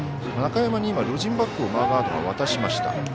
中山にロジンバッグをマーガードが渡しました。